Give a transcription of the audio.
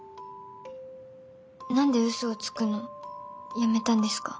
何で嘘をつくのやめたんですか？